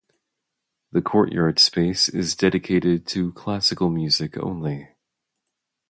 The courtyard space is dedicated to classical music only.